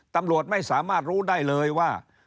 ตำรวจไม่สามารถรู้ได้เลยว่า